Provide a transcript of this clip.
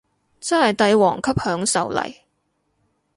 真係帝王級享受嚟